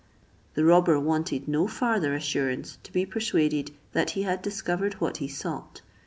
The robber wanted no farther assurance to be persuaded that he had discovered what he sought.